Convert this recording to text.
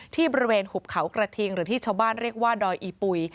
ที่บริเวณหุบเขากระทิงหรือที่ชาวบ้านเรียกว่าดอยอีปุ๋ย